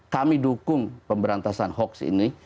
kami dukung pemberantasan hoax ini